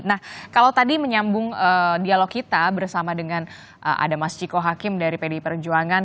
nah kalau tadi menyambung dialog kita bersama dengan ada mas ciko hakim dari pdi perjuangan